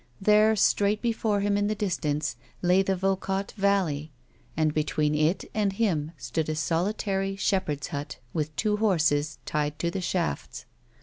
There, straight before him in the distance, lay the Vaucotte valley, and between it and him stood a solitary shepherd's hut, with two horses tied to the shafts.